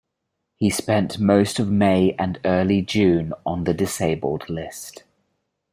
He spent most of May and early June on the disabled list.